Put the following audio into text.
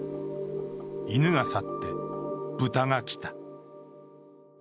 「犬が去って、豚が来た」。